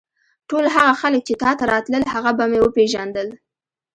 ټول هغه خلک چې تا ته راتلل هغه به مې وپېژندل.